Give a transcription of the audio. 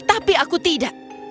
tapi aku tidak